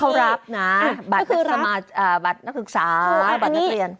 เขารับนะบัตรสมัครบัตรนักศึกษาบัตรนักเรียน